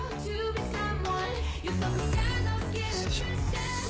失礼します。